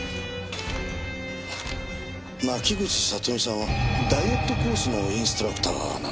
牧口里美さんはダイエットコースのインストラクターなんですね。